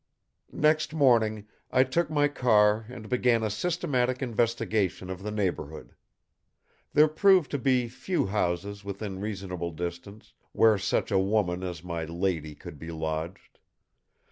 Next morning, I took my car and began a systematic investigation of the neighborhood. There proved to be few houses within reasonable distance where such a woman as my lady could be lodged.